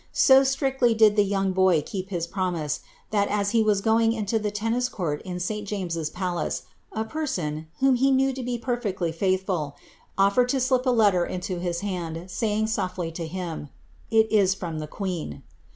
So strictly did the young boy keep his promise, that, as he was going into the tennis court io Sl James's palace, a person, whom he knew to be perfectly faithful, oilered to slip a letter into his hand, saying softly to him, ^^ It is from the queen.''